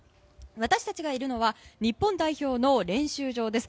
私たちがいるのは日本代表の練習場です。